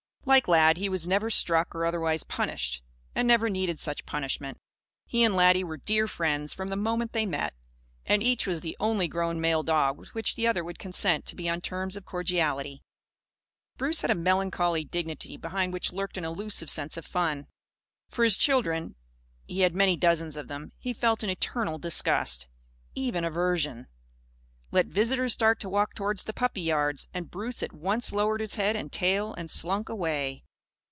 Like Lad, he was never struck or otherwise punished; and never needed such punishment. He and Laddie were dear friends, from the moment they met. And each was the only grown male dog with which the other would consent to be on terms of cordiality. Bruce had a melancholy dignity, behind which lurked an elusive sense of fun. For his children he had many dozens of them he felt an eternal disgust; even aversion. Let visitors start to walk towards the puppy yards, and Bruce at once lowered his head and tail and slunk away.